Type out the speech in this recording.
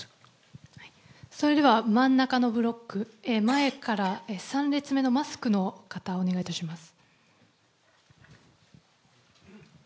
それでは、真ん中のブロック、前から３列目のマスクの方、お願いします。